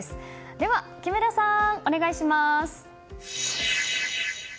では木村さん、お願いします。